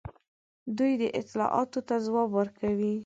دوی دې اطلاعاتو ته ځواب ورکوي.